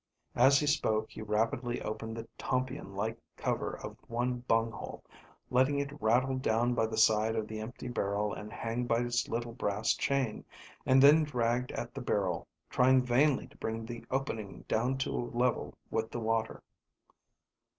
As he spoke he rapidly opened the tompion like cover of one bung hole, letting it rattle down by the side of the empty barrel and hang by its little brass chain, and then dragged at the barrel, trying vainly to bring the opening down to a level with the water.